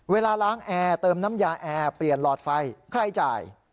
เวลาล้างแอร์เติมน้ำยาแอร์เปลี่ยนหลอดไฟใครจ่าย